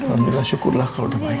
alhamdulillah syukurlah kalau udah baik